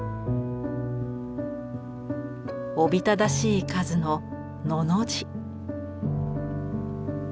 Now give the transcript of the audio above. おびただしい数の「の」の字。